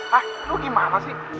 hah lo gimana sih